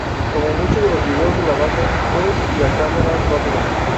Como muchos de los vídeos de la banda, fue y a cámara rápida.